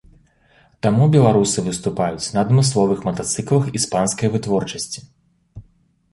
Таму беларусы выступаюць на адмысловых матацыклах іспанскай вытворчасці.